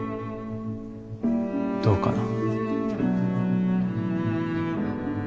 どうかな？